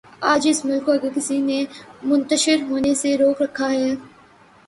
آج اس ملک کو اگر کسی نے منتشر ہونے سے روک رکھا ہے۔